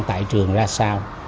tại trường ra sao